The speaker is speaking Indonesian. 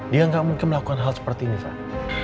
dia gak mungkin melakukan hal seperti ini van